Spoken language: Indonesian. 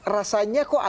rasanya kok agak berbeda